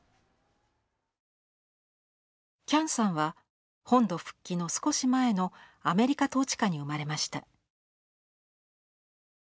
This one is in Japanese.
喜屋武さんは本土復帰の少し前のアメリカ統治下に生まれました。